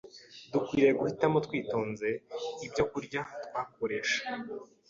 Dukwiriye guhitamo twitonze ibyokurya twakoresha